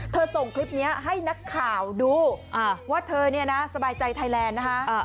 ส่งคลิปนี้ให้นักข่าวดูว่าเธอเนี่ยนะสบายใจไทยแลนด์นะคะ